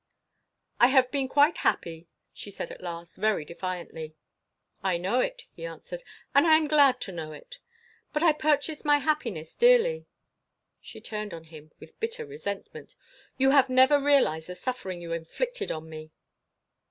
"I have been quite happy," she said at last, very defiantly. "I know it," he answered, "and I am glad to know it." "But I purchased my happiness dearly." She turned on him with bitter resentment. "You have never realised the suffering you inflicted on me!"